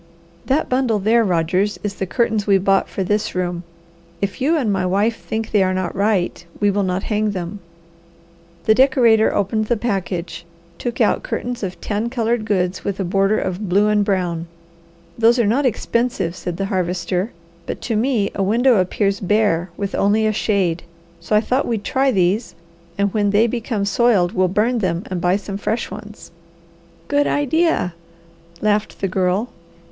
"That bundle there, Rogers, is the curtains we bought for this room. If you and my wife think they are not right, we will not hang them." The decorator opened the package and took out curtains of tan coloured goods with a border of blue and brown. "Those are not expensive," said the Harvester, "but to me a window appears bare with only a shade, so I thought we'd try these, and when they become soiled we'll burn them and buy some fresh ones." "Good idea!" laughed the Girl.